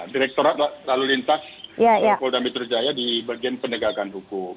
direktorat lalu lintas polda metro jaya di bagian penegakan hukum